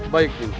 baik nih mas